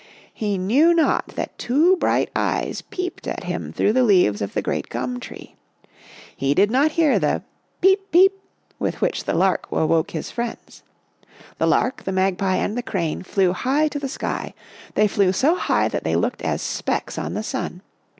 He knew not that two bright eyes peeped at him through the leaves of the great gum tree. He did not hear the ' peep, peep ' with which the Lark awoke his friends. The Lark, the Magpie and the Crane flew high to the sky. They flew so high that they looked as specks on the sun.